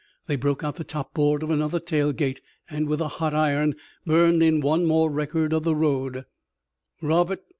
They broke out the top board of another tail gate, and with a hot iron burned in one more record of the road: "Rob't.